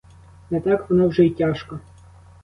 Не так воно вже й тяжко!